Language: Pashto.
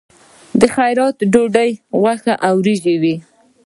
د خیرات ډوډۍ غوښه او وریجې وي.